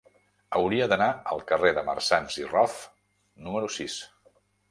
Hauria d'anar al carrer de Marsans i Rof número sis.